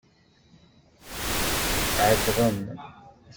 Ɛeggḍen.